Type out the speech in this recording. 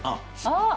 あっ。